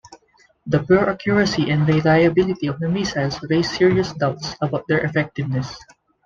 The poor accuracy and reliability of the missiles raised serious doubts about their effectiveness.